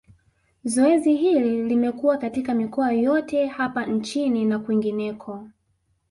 Zoezi hili limekuwa katika mikoa yote hapa nchini na kwingineko